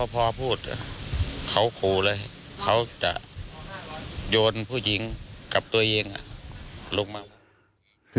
พอพูดเขาขู่เลยเขาจะโยนผู้หญิงกับตัวเองลงมา